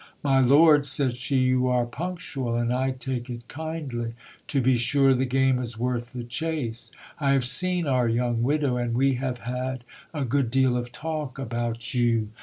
My lord, said she, you are punctual, and I take it kindly. To be sure the game is worth the chase. I have seen our young widow, and we have had a good deal of talk about you.